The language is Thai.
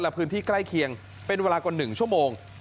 และพื้นที่ใกล้เคียงเป็นเวลากว่า๑ชั่วโมง